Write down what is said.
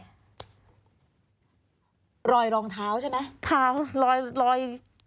ลอยรองเท้าใช่ไหม